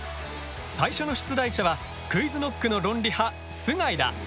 最初の出題者はＱｕｉｚＫｎｏｃｋの論理派須貝だ！